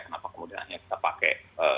kenapa kemudian hanya kita pakai